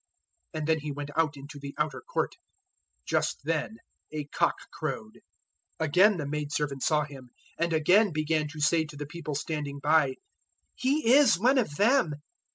And then he went out into the outer court. Just then a cock crowed. 014:069 Again the maidservant saw him, and again began to say to the people standing by, "He is one of them."